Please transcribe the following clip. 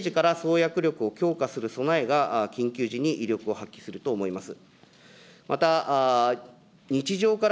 このような平時から創薬力を強化する備えが、緊急時に威力を発揮すると思います。